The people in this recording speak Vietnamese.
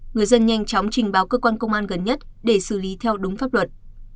người dân nhanh chóng trình báo cơ quan công an gần nhất để xử lý theo đúng pháp luật